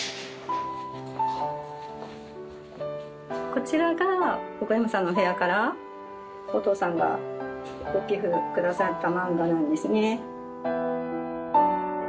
こちらが奥山さんの部屋からお父さんがご寄付下さったマンガなんですね。